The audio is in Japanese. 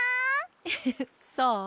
フフフそう？